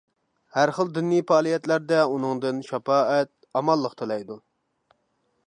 ھەر خىل دىنىي پائالىيەتلەردە ئۇنىڭدىن شاپائەت، ئامانلىق تىلەيدۇ.